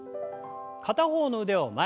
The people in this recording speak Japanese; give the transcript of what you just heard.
片方の腕を前に。